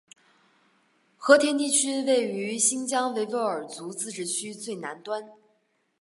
和田地区位于新疆维吾尔自治区最南端。